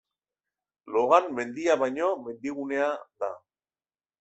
Logan mendia baino, mendigunea da.